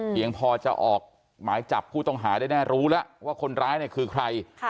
ยังพอจะออกหมายจับผู้ต้องหาได้แน่รู้แล้วว่าคนร้ายเนี่ยคือใคร